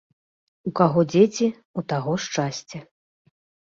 У каго дзеці, у таго шчасце